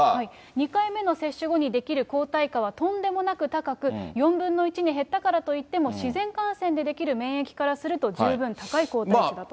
２回目の接種後に出来る抗体価はとんでもなく高く、４分の１に減ったからといっても、自然感染で出来る免疫からすると十分高い抗体価だと。